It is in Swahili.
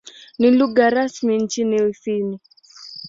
Ni lugha rasmi nchini Ufini.